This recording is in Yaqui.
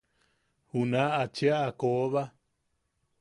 Juna-ʼa cheʼa koba.